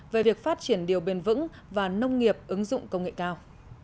về việc phát triển điều bền vững và nông nghiệp ứng dụng công nghệ cao